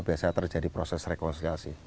biasanya terjadi proses rekonstruasi